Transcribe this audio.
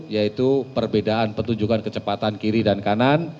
yaitu perbedaan petunjukan kecepatan kiri dan kanan